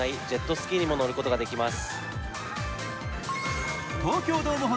スキーにも乗ることができます。